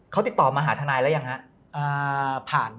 เขาติดต่อมาหาทนายแล้วยังครับ